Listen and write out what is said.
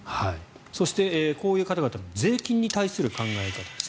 そして、こういう方々の税金に対する考え方です。